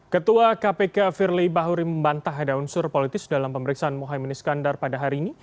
ketua kpk firly bahuri membantah ada unsur politis dalam pemeriksaan mohaimin iskandar pada hari ini